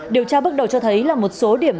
điều tra bước đầu cho thấy là một số điểm